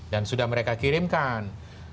dan sudah mereka kirimkan